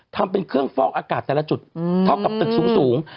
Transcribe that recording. ทำเป็นเครื่องฟอกอากาศแต่ละจุดเท่ากับตึกสูง